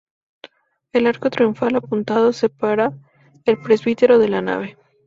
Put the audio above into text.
El arco triunfal, apuntado, separa el presbiterio de la nave.